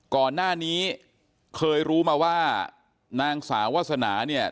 ก่อนหน้านี้เคยรู้มาว่านางสาววาสนาเนี่ย